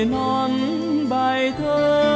nón bài thơ